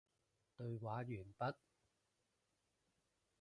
對話完畢